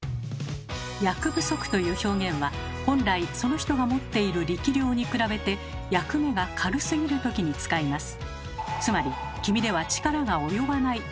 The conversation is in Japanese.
「役不足」という表現は本来その人が持っている力量に比べて役目が軽すぎるときに使います。